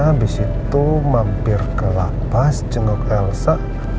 habis itu mampir ke la paz cenggok elsa